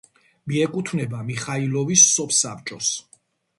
მიეკუთვნება მიხაილოვის სოფსაბჭოს.